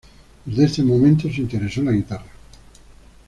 Desde ese momento, se interesó en la guitarra.